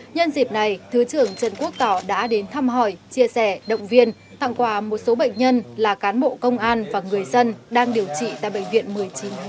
nhân dịp này thứ trưởng trần quốc tỏ đã đến thăm hỏi chia sẻ động viên tặng quà một số bệnh nhân là cán bộ công an và người dân đang điều trị tại bệnh viện một mươi chín hai